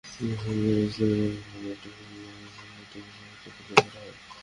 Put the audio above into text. সেমিনারে ইসলামি ব্যাংকিংয়ে করপোরেট সুশাসনের অবস্থা নিয়ে একটি গবেষণাপত্র তুলে ধরা হয়।